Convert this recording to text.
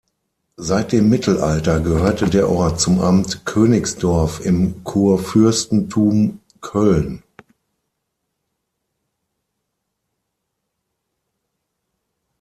Seit dem Mittelalter gehörte der Ort zum Amt Königsdorf im Kurfürstentum Köln.